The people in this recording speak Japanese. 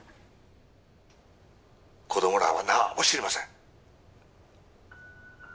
子供らは何も知りません